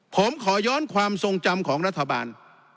ผมขอย้อนความทรงจำของรัฐบาล